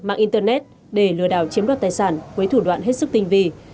mạng internet để lừa đảo chiếm đoạt tài sản với thủ đoạn hết sức tinh vi